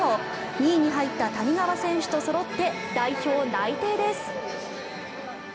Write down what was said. ２位に入った谷川選手とそろって代表内定です。